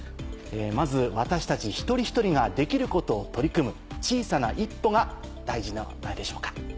まず私たち一人一人ができることを取り組む小さな一歩が大事なのではないでしょうか。